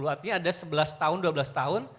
enam puluh artinya ada sebelas tahun dua belas tahun